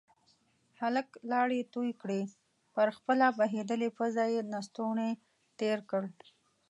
هلک لاړې تو کړې، پر خپله بهيدلې پزه يې لستوڼی تير کړ.